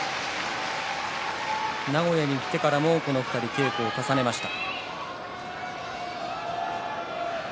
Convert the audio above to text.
名古屋に来てからもこの２人は稽古を重ねました。